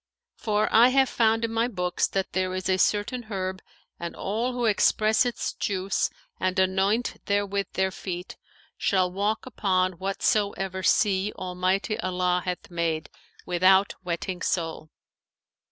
For I have found in my books that there is a certain herb and all who express its juice and anoint therewith their feet shall walk upon whatsoever sea Almighty Allah hath made, without wetting sole.